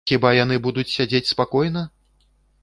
Хіба яны будуць сядзець спакойна?